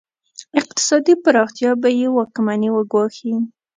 اقتصادي پراختیا به یې واکمني وګواښي.